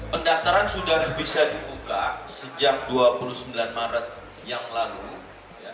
pendaftaran sudah bisa dibuka sejak dua puluh sembilan maret yang lalu